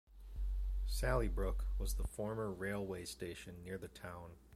Sallybrook was the former railway station near the town.